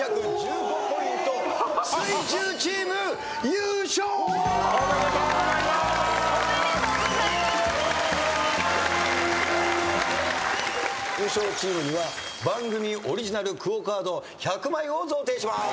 優勝チームには番組オリジナルＱＵＯカード１００枚を贈呈します。